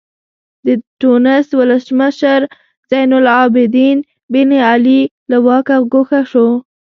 د ټونس ولسمشر زین العابدین بن علي له واکه ګوښه شو.